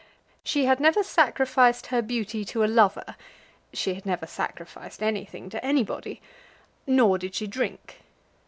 She had never sacrificed her beauty to a lover, she had never sacrificed anything to anybody, nor did she drink.